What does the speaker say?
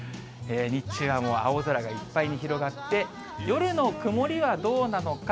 日中はもう青空がいっぱいに広がって、夜の曇りはどうなのか。